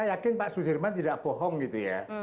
saya yakin pak sudirman tidak bohong gitu ya